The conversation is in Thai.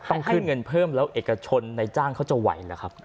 ให้เงินเพิ่มแล้วเอกชนนายจ้างเขาจะไหวหรือครับ